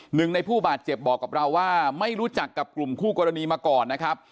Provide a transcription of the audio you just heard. หนึ่งในผู้บาดเจ็บบอกกับเราว่าไม่รู้จักกับกลุ่มคู่กรณีมาก่อนนะครับ